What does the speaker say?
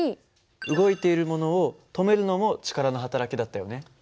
動いているものを止めるのも力のはたらきだったよね。